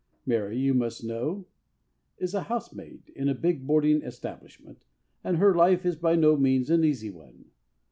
Mary, you must know, is a housemaid in a big boarding establishment, and her life is by no means an easy one.